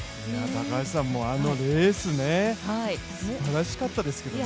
高橋さん、あのレースすばらしかったですね。